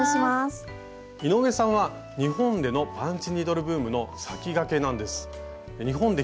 井上さんは日本でのパンチニードルブームの先駆けなんです。